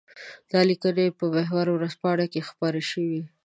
دا لیکنه په محور ورځپاڼه کې خپره شوې.